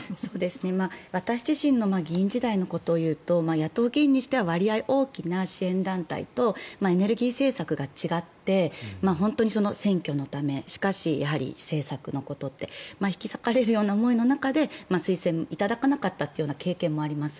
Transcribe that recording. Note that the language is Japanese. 私自身の議員時代のことを言うと野党時代とはエネルギー政策が違って選挙のためしかし、政策のことって引き裂かれるような思いの中で推薦いただかなかったという経験もあります。